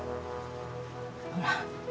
ほら。